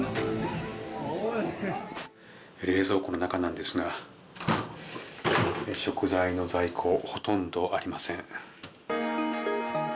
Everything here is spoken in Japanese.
冷蔵庫の中なんですが食材の在庫ほとんどありません。